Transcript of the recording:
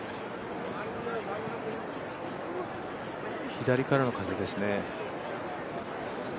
左からの風ですね。